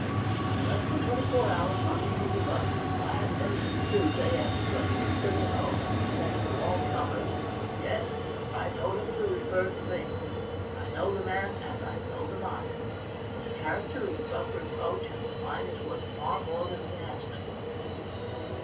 ' In less than twenty four hours London was abuzz ! I hadn't anything to do, day after day, but sit at home, and say to all comers :' Yes ; I told him to refer to me. I know the man and I know the mine. His character is above reproach, and the mine is worth far more than he asks for it.'